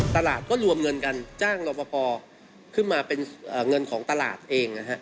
ตลาดก็รวมเงินกันจ้างรอปภขึ้นมาเป็นเงินของตลาดเองนะฮะ